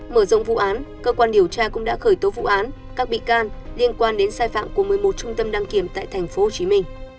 mở rộng vụ án cơ quan điều tra cũng đã khởi tố vụ án các bị can liên quan đến sai phạm của một mươi một trung tâm đăng kiểm tại tp hcm